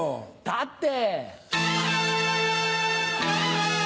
だって。